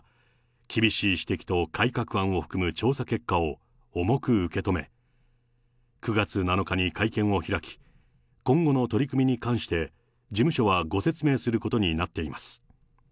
厳しい指摘と改革案を含む調査結果を重く受け止め、９月７日に会見を開き、今後の取り組みに関して、事務所はご説明することになっています。